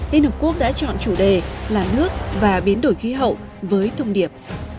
liên hợp quốc đã chọn chủ đề là nước và biến đổi khí hậu với thông điệp